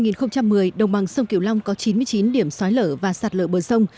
năm hai nghìn một mươi đồng bằng sông cửu long có chín mươi chín điểm xói lở và sạt lở bờ sông